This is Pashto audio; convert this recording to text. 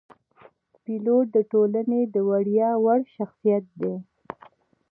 پیلوټ د ټولنې د ویاړ وړ شخصیت دی.